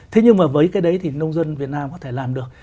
thế nhưng mà với cái đấy thì nông dân việt nam có thể làm được